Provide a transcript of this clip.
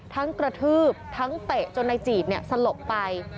ทั้งกระทืบทั้งเตะจนในจีดเนี่ยสลบไป